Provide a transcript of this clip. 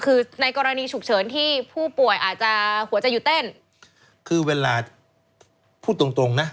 คือในกรณีฉุกเฉินที่ผู้ป่วยอาจจะหัวใจหยุดเต้นคือเวลาพูดตรงตรงนะ